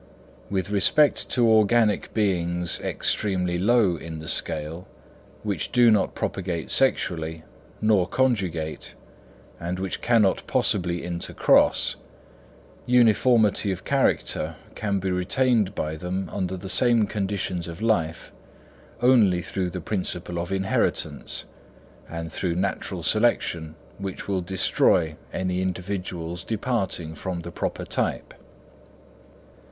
With respect to organic beings extremely low in the scale, which do not propagate sexually, nor conjugate, and which cannot possibly intercross, uniformity of character can be retained by them under the same conditions of life, only through the principle of inheritance, and through natural selection which will destroy any individuals departing from the proper type.